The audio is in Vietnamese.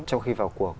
trong khi vào cuộc